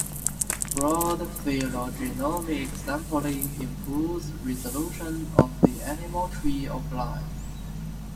"Broad phylogenomic sampling improves resolution of the animal tree of life".